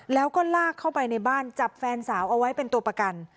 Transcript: แล้วก็ลากเข้าไปในบ้านจับแฟนสาวเอาไว้เป็นตัวประกัน